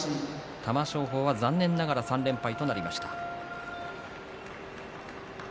玉正鳳は残念ながら３連敗となりました。